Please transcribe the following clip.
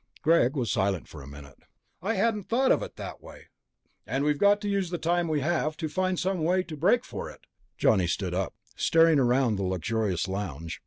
Greg was silent for a minute. "I hadn't thought of it that way." "And we've got to use the time we have to find some way to break for it." Johnny stood up, staring around the luxurious lounge.